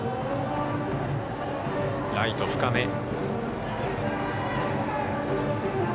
ライト深め。